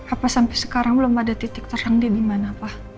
apa sampai sekarang belum ada titik terang dia di mana pak